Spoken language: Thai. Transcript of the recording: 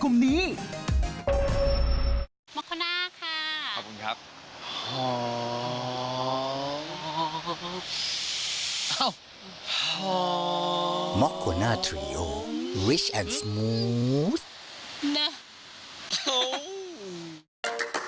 มะโคน่าทีริโอวิชแอนสมูฆ์